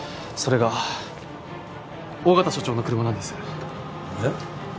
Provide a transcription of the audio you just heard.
それが緒方署長の車なんです。え？